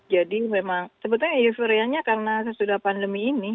jadi memang sebetulnya euforianya karena sesudah pandemi ini